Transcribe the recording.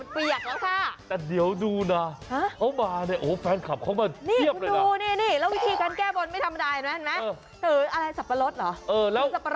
เพื่ออะไรคำตอบ